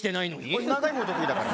俺長いの得意だから。